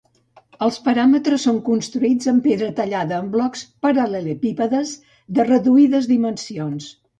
Els paraments són construïts amb pedra tallada en blocs paral·lelepípedes de reduïdes dimensions.